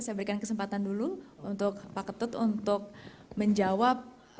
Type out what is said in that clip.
saya berikan kesempatan dulu untuk pak ketut untuk menjawab